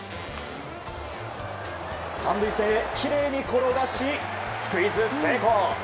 ３塁線へきれいに転がしスクイズ成功！